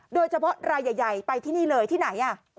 โดยเฉพาะรายใหญ่ไปที่นี่เลยที่ไหน